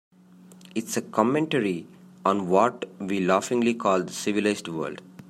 It's a commentary on what we laughingly call the civilized world.